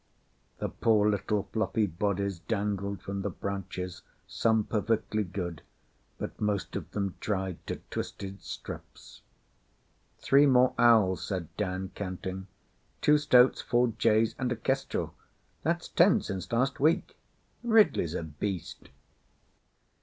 The poor little fluffy bodies dangled from the branches some perfectly good, but most of them dried to twisted strips. ŌĆśThree more owls, ŌĆÖ said Dan, counting. ŌĆśTwo stoats, four jays, and a kestrel. ThatŌĆÖs ten since last week. RidleyŌĆÖs a beast.